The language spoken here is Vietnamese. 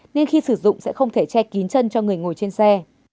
nên khi sử dụng sẽ không thể che kín chân cho người ngồi trên xe